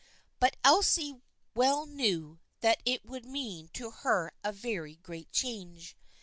But Elsie well knew that it would mean to her a very great change.